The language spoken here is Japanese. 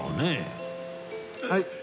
はい。